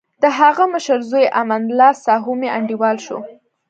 دهغه مشر زوی امان الله ساهو مې انډیوال شو.